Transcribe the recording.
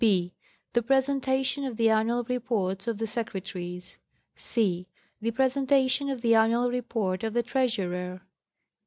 b. The presentation of the annual reports of the Secre taries. c. The presentation of the annual report of the Treasurer.